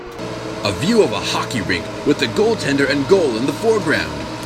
A view of a hockey rink with the goaltender and goal in the foreground.